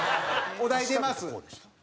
お題出ます。